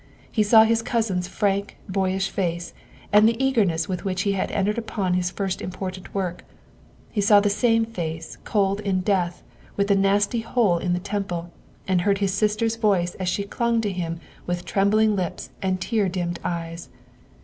He saw his cousin's frank, boyish face and the eagerness with which he had entered upon his first important work; he saw the same face cold in death with the nasty hole in the temple, and heard his sister's voice as she clung to him with trembling lips and tear dimmed eyes.